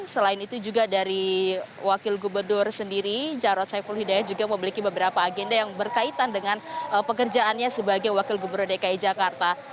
selain itu juga dari wakil gubernur sendiri jarod saiful hidayat juga memiliki beberapa agenda yang berkaitan dengan pekerjaannya sebagai wakil gubernur dki jakarta